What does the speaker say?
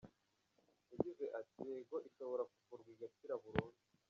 Yagize ati : “Yego ishobora kuvurwa igakira burundu.